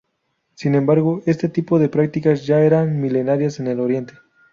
Sin embargo, este tipo de prácticas ya eran milenarias en Oriente.